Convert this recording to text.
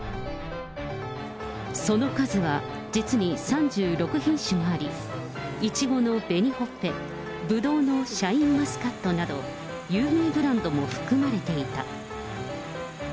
その数は、実に３６品種もあり、イチゴの紅ほっぺ、ブドウのシャインマスカットなど、有名ブランドも含まれていた。